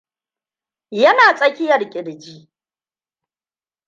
yana tsakiyar kirji